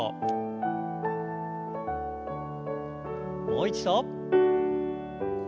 もう一度。